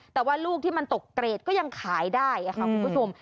แต่ว่าลูกที่มันตกเกรดก็ยังขายได้ค่ะคุณผู้ชม